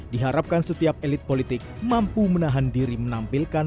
diharapkan setiap elit politik mampu menahan diri menampilkan